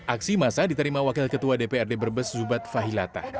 aksi masa diterima wakil ketua dprd brebes zubad fahilata